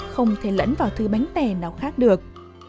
không thể lẫn vào thư bánh tẻ nào khác được